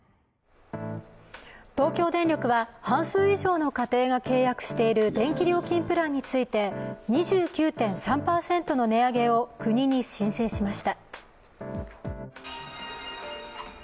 東京電力は半数以上の家庭が契約している電気料金プランについて２９．３％の値上げを国に申請しました。